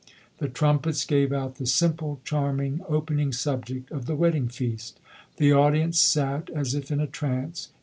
The trumpets gave out the simple, charm ing opening subject of the "Wedding Feast". The audience sat as if in a trance.